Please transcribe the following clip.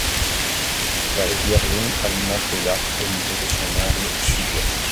La rivière Lung alimente le lac au niveau de son angle au sud-ouest.